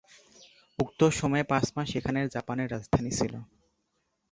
উক্ত সময়ে পাঁচ মাস এখানে জাপানের রাজধানী ছিল।